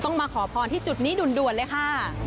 ต้องมาขอพรที่จุดนี้ดุลเลยค่ะ